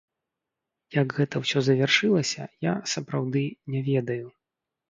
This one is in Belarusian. Як гэта ўсё завяршылася, я, сапраўды, не ведаю.